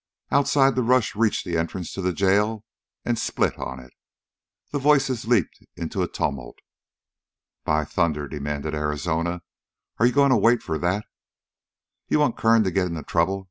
Outside the rush reached the entrance to the jail and split on it. The voices leaped into a tumult. "By thunder," demanded Arizona, "are you going to wait for that?" "You want Kern to get into trouble?"